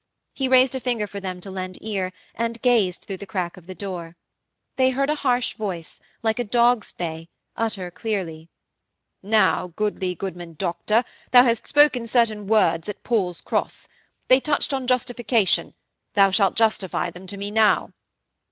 He raised a finger for them to lend ear and gazed through the crack of the door. They heard a harsh voice, like a dog's bay, utter clearly: 'Now goodly goodman Doctor, thou hast spoken certain words at Paul's Cross. They touched on Justification; thou shalt justify them to me now.'